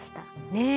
ねえ。